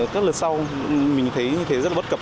các lần sau mình thấy như thế rất là bất cập